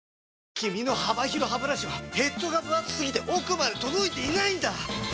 君の幅広ハブラシはヘッドがぶ厚すぎて奥まで届いていないんだ！